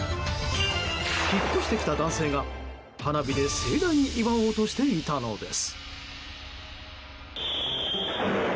引っ越してきた男性が、花火で盛大に祝おうとしていたのです。